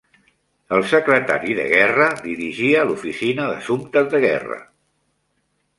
El Secretari de guerra dirigia l'Oficina d'assumptes de guerra.